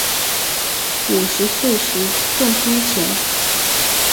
五十岁时中风前